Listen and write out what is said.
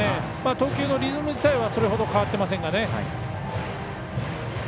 投球のリズム自体は変わっていませんけどね。